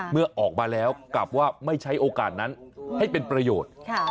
เมื่อออกมาแล้วกลับว่าไม่ใช้โอกาสนั้นให้เป็นประโยชน์